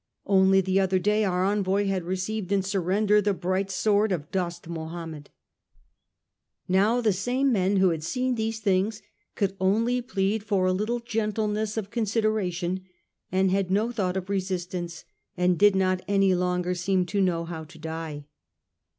Only the other day our envoy had received in surrender the bright sword of Dost Mahomed. Now the same men who had seen these things could only plead for a little gentleness of consideration, and had no thought of resistance, and did not any longer seem to know how to die.